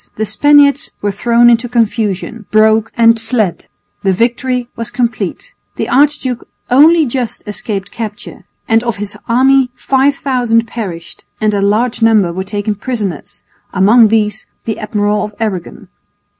The Spaniards were thrown into confusion, broke and fled. The victory was complete. The archduke only just escaped capture, and of his army 5000 perished and a large number were taken prisoners, among these the Admiral of Aragon.